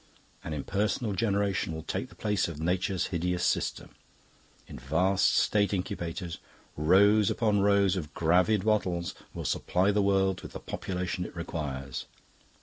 An impersonal generation will take the place of Nature's hideous system. In vast state incubators, rows upon rows of gravid bottles will supply the world with the population it requires.